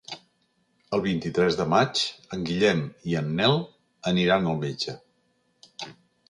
El vint-i-tres de maig en Guillem i en Nel aniran al metge.